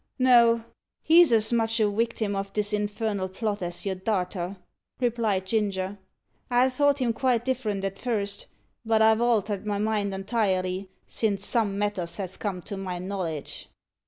"No, he's as much a wictim of this infernal plot as your darter," replied Ginger; "I thought him quite different at first but I've altered my mind entirely since some matters has come to my knowledge."